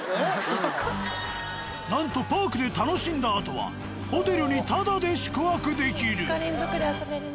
なんとパークで楽しんだあとはホテルにタダで宿泊できる。